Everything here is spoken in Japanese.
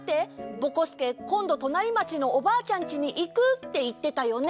ぼこすけこんどとなりまちのおばあちゃんちにいくっていってたよね？